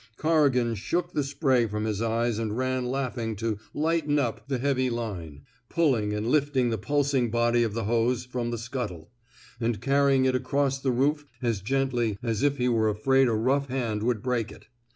Corrigan shook the spray from his eyes and ran laughing to lighten up '* the heavy line, pulling and lifting the pulsing body of the hose from the scuttle, and carrying it across the roof as gently as if he were afraid a rough hand would break it.